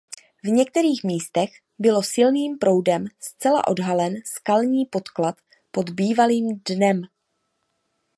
V některých místech bylo silným proudem zcela odhalen skalní podklad pod bývalým dnem.